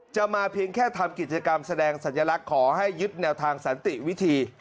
มาเพียงแค่ทำกิจกรรมแสดงสัญลักษณ์ขอให้ยึดแนวทางสันติวิธี